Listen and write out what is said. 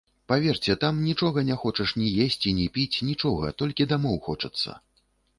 Паверце, там нічога не хочаш ні есці, ні піць, нічога, толькі дамоў хочацца.